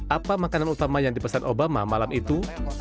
apa makanan utama yang dipesan obama malam itu